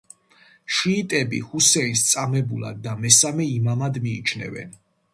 შიიტები ჰუსეინს წამებულად და მესამე იმამად მიიჩნევენ.